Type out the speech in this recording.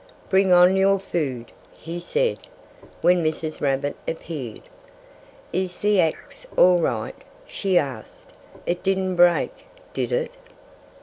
"Bring on your food!" he said, when Mrs. Rabbit appeared. "Is the axe all right?" she asked. "It didn't break, did it?"